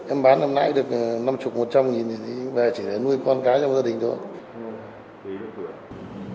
em bán năm nãy được năm mươi một trăm linh nghìn thì về chỉ để nuôi con cái trong gia đình thôi